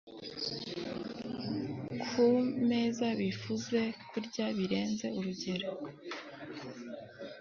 ku meza bifuze kurya birenze urugero